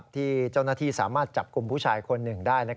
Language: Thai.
ที่เจ้าหน้าที่สามารถจับกลุ่มผู้ชายคนหนึ่งได้